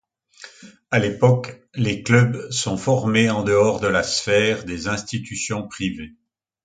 À l'époque, les clubs sont formés en dehors de la sphère des institutions scolaires.